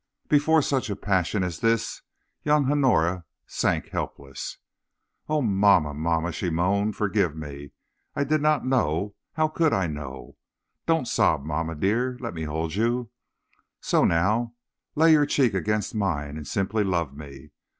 Before such passion as this young Honora sank helpless. "Oh, mamma, mamma," she moaned, "forgive me. I did not know how could I know? Don't sob, mamma, dear; let me hold you so; now lay your cheek against mine and simply love me.